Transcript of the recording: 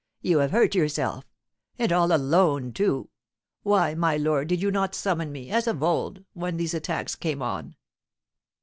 You have hurt yourself, and all alone, too; why, my lord, did you not summon me, as of old, when these attacks came on?"